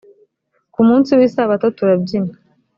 ku munsi w isabato turabyina